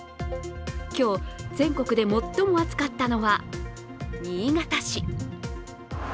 今日、全国で最も暑かったのは新潟市。